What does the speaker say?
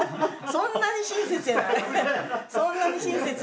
そんなに親切じゃない。